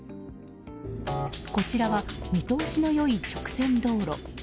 こちらは見通しの良い直線道路。